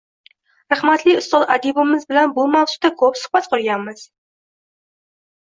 Rahmatli ustoz adibimiz bilan bu mavzuda ko`p suhbat qurganmiz